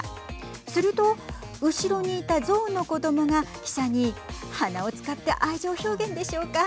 すると、後ろにいた象の子どもが記者に鼻を使って愛情表現でしょうか。